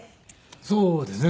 そうですね。